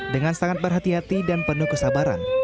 dengan sangat berhati hati dan penuh kesabaran